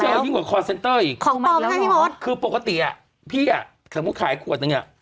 ฉันเจอยิ่งกว่าคอร์เซ็นเตอร์อีกคือปกติอ่ะพี่อ่ะเขาพูดขายขวดตรงนี้